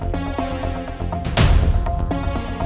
tidak mungkin ada kesalahan